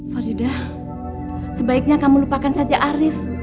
faridah sebaiknya kamu lupakan saja arief